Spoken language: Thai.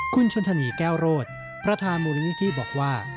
คุณชนธนีแก้วโรดประธานมูลนิธิบอกว่า